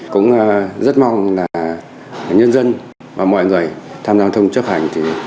cũng rất mong là nhân dân và mọi người tham gia phòng dịch chấp hành